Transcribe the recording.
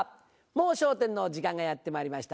『もう笑点』の時間がやってまいりました。